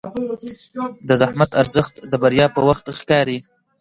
د زحمت ارزښت د بریا په وخت ښکاري.